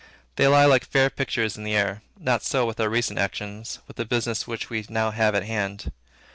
They lie like fair pictures in the air. Not so with our recent actions, with the business which we now have in hand.